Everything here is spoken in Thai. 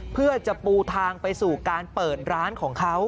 เพื่อจะปูทางไปสู่การเปิดร้านของเขา